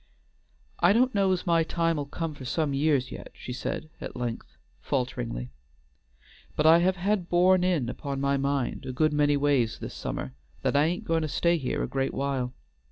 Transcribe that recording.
"I don't know's my time'll come for some years yet," she said at length, falteringly, "but I have had it borne in upon my mind a good many ways this summer that I ain't going to stay here a gre't while.